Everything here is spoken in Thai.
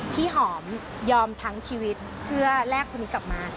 ที่หอมยอมทั้งชีวิตเพื่อแลกคนนี้กลับมา